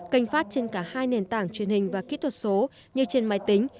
kênh phát trên cả hai nền tảng truyền hình và kỹ thuật số như trên máy tính